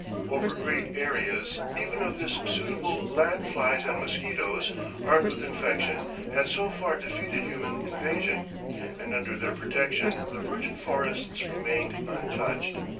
Over great areas even of this suitable land flies and mosquitoes, armed with infection, had so far defeated human invasion, and under their protection the virgin forests remained untouched.